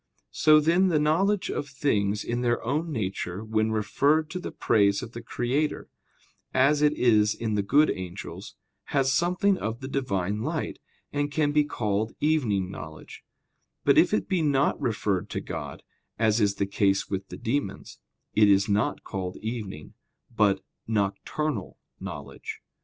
So then the knowledge of things in their own nature, when referred to the praise of the Creator, as it is in the good angels, has something of the Divine light, and can be called evening knowledge; but if it be not referred to God, as is the case with the demons, it is not called evening, but "nocturnal" knowledge.